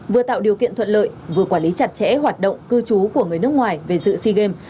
vừa tạo điều kiện thuận lợi vừa quản lý chặt chẽ hoạt động cư trú của người nước ngoài về dự sea games